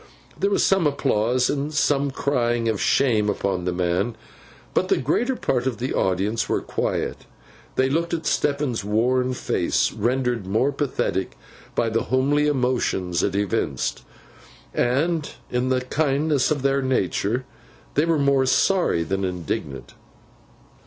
There was some applause, and some crying of Shame upon the man; but the greater part of the audience were quiet. They looked at Stephen's worn face, rendered more pathetic by the homely emotions it evinced; and, in the kindness of their nature, they were more sorry than indignant.